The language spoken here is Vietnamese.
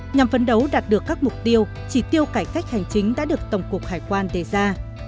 nhằm phấn đấu đạt được các mục tiêu chỉ tiêu cải cách hành chính đã được tổng cục hải quan đề ra